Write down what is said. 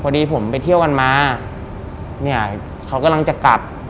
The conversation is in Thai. พอดีผมไปเที่ยวกันมาเนี่ยเขากำลังจะกลับ